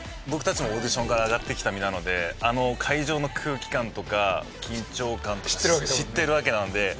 僕たちもオーディションから上がってきた身なのであの会場の空気感とか緊張感知ってるわけなので。